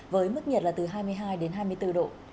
với mức nhiệt là từ hai mươi hai đến hai mươi bốn độ